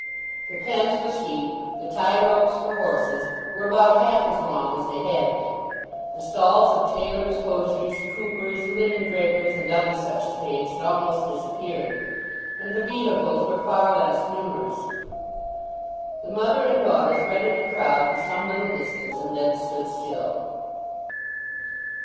The pens for sheep, the tie ropes for horses, were about half as long as they had been. The stalls of tailors, hosiers, coopers, linen drapers, and other such trades had almost disappeared, and the vehicles were far less numerous. The mother and daughter threaded the crowd for some little distance, and then stood still.